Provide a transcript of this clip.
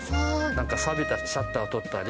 なんかさびたシャッター撮ったり。